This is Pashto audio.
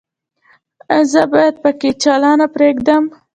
ایا زه باید پکۍ چالانه پریږدم؟